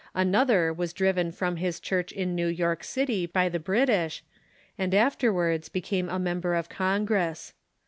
Another was driven from his church in New York City by the British, and afterwards became a member of Con gress.